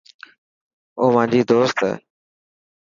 او مانجي دوست هي.